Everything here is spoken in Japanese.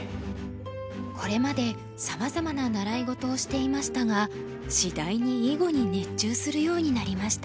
これまでさまざまな習い事をしていましたがしだいに囲碁に熱中するようになりました。